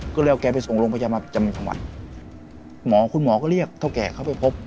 ก็เลยเอาแกไปส่งโรงพยาบาลประจำจังหวัดหมอคุณหมอก็เรียกเท่าแก่เข้าไปพบ